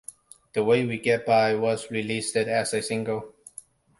"The Way We Get By" was released as a single.